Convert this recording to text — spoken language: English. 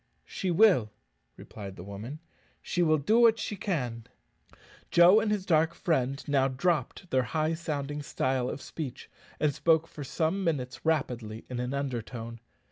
"She will," replied the woman; "she will do what she can." Joe and his dark friend now dropped their high sounding style of speech, and spoke for some minutes rapidly in an undertone.